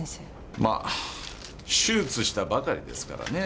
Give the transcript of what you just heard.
まあ手術したばかりですからねぇ。